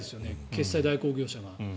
決済代行業者が。